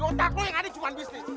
gondak lo yang ada cuma bisnis